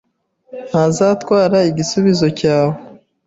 ntazatwara igisubizo cyawe.